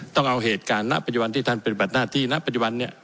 ต้องเอาเหตุการณ์ณปัจจุบันที่ท่านปฏิบัติหน้าที่ณปัจจุบันนี้